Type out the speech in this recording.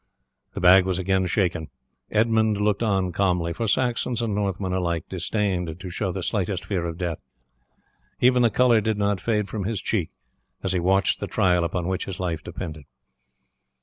The bag was again shaken. Edmund looked on calmly, for Saxons and Northmen alike disdained to show the slightest fear of death; even the colour did not fade from his cheek as he watched the trial upon which his life depended.